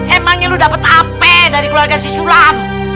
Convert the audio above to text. emangnya lu dapat ap dari keluarga si sulam